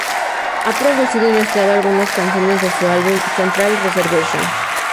Ha producido y mezclado algunas canciones de su álbum "Central Reservation".